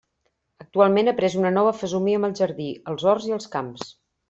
Actualment ha pres una nova fesomia amb el jardí, els horts i els camps.